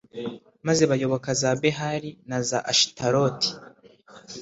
maze bayoboka za behali na za ashitaroti